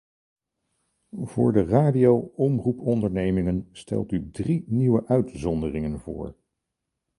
Voor de radio-omroepondernemingen stelt u drie nieuwe uitzonderingen voor.